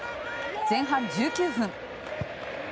前半１９分。